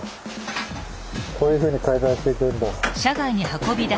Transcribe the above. こういうふうに解体していくんだ。